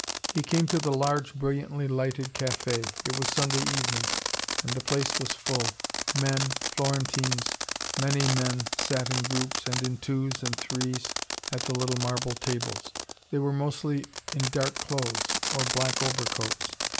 He came to the large, brilliantly lighted cafe. It was Sunday evening, and the place was full. Men, Florentines, many, many men sat in groups and in twos and threes at the little marble tables. They were mostly in dark clothes or black overcoats.